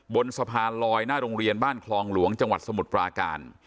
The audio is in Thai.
บนสะพานลอยหน้าโรงเรียนบ้านคลองหลวงจังหวัดสมุทรปราการ